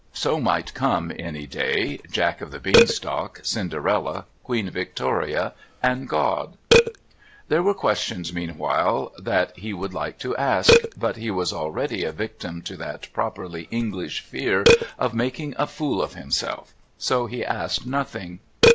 So might come any day Jack of the Beanstalk, Cinderella, Queen Victoria, and God. There were questions meanwhile that he would like to ask, but he was already a victim to that properly English fear of making a fool of himself, so he asked nothing.